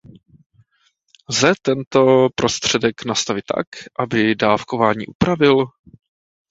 Lze tento prostředek nastavit tak, aby dávkování upravil?